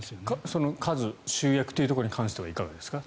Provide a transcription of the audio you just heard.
その数集約というところに関してはいかがですか。